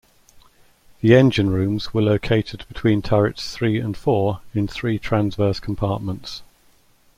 The engine rooms were located between turrets three and four in three transverse compartments.